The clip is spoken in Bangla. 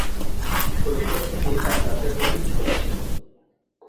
শৈশব থেকেই তার নাচের প্রতি ঝোঁক ছিল।